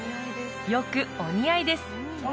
よくお似合いです